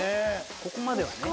ここまではね。